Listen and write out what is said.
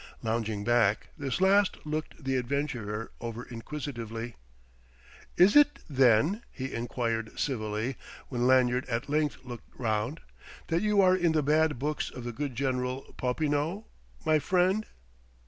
Lounging back, this last looked the adventurer over inquisitively. "Is it, then," he enquired civilly, when Lanyard at length looked round, "that you are in the bad books of the good General Popinot, my friend?"